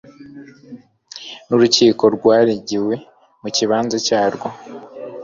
n urukiko rwaregewe mu kibanza cyarwo